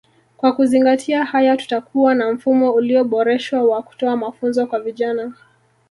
Kwa kuzingatia haya tutakuwa na mfumo ulioboreshwa wa kutoa mafunzo kwa vijana